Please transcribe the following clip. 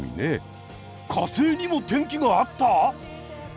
火星にも天気があった！？え驚き！